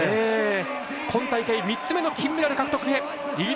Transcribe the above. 今大会３つ目の金メダル獲得へ。